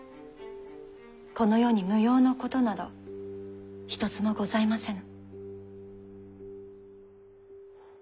この世に無用のことなど一つもございませぬ。